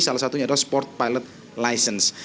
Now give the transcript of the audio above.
salah satunya adalah sport pilot license